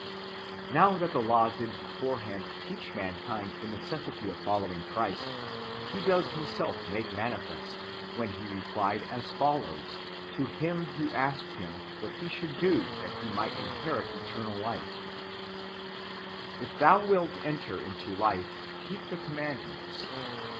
Now, that the law did beforehand teach mankind the necessity of following Christ, He does Himself make mani fest, when He replied as follows to him who asked Him what he should do that he might inherit eternal life :" If thou wilt enter into life, keep the commandments."